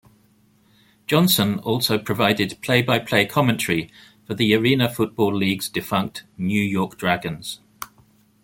Johnson also provided play-by-play commentary for the Arena Football League's defunct New York Dragons.